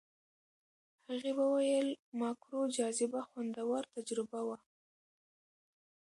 هغې وویل ماکرو جاذبه خوندور تجربه وه.